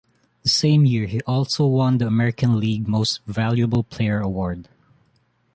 The same year he also won the American League Most Valuable Player award.